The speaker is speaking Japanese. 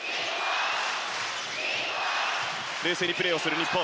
冷静にプレーをする日本。